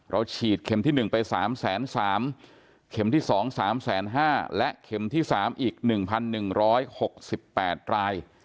ฉีดเข็มที่๑ไป๓๓๐๐เข็มที่๒๓๕๐๐และเข็มที่๓อีก๑๑๖๘ราย